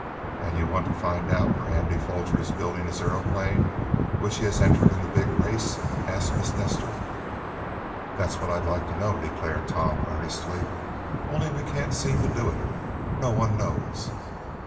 "And you want to find out where Andy Foger is building his aeroplane which he has entered in the big race?" asked Miss Nestor. "That's what I'd like to know," declared Tom earnestly. "Only we can't seem to do it. No one knows."